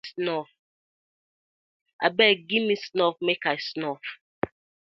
Abeg giv me snuff mek I snuff.